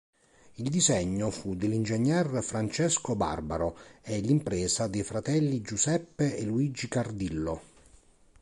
Il disegno fu dell’ingegner Francesco Barbaro e l’impresa dei fratelli Giuseppe e Luigi Cardillo.